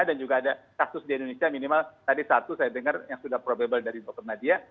dan juga ada kasus di indonesia minimal tadi satu saya dengar yang sudah probable dari dokter nadia